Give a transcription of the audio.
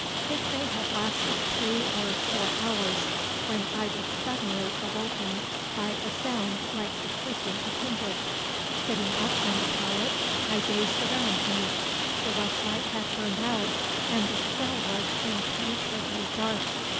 This may have lasted three or four hours, when I was suddenly awoken by a sound like the creaking of hinges. Sitting up on the pallet I gazed around me. The rushlight had burned out and the cell was impenetrably dark.